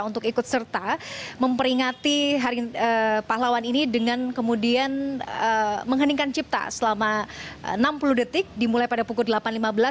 untuk ikut serta memperingati hari pahlawan ini dengan kemudian mengheningkan cipta selama enam puluh detik dimulai pada pukul delapan lima belas